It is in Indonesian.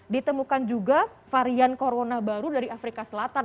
ditemukan juga varian corona baru dari afrika selatan